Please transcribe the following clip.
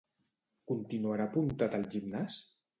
Continuarà apuntat al gimnàs?